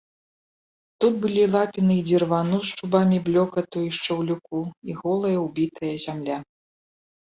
Тут былі лапіны і дзірвану з чубамі блёкату і шчаўлюку і голая, убітая зямля.